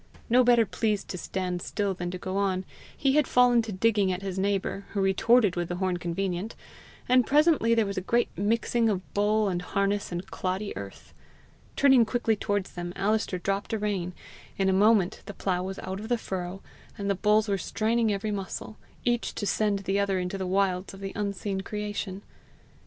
No better pleased to stand still than to go on, he had fallen to digging at his neighbour, who retorted with the horn convenient, and presently there was a great mixing of bull and harness and cloddy earth. Turning quickly towards them, Alister dropped a rein. In a moment the plough was out of the furrow, and the bulls were straining every muscle, each to send the other into the wilds of the unseen creation.